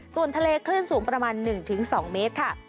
ส่วนทะเลคลื่นสูงประมาณ๑๒เมตรค่ะ